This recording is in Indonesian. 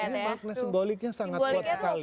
ini makna simboliknya sangat kuat sekali